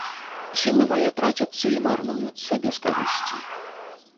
Сілы мае трацяцца і марнуюцца без карысці.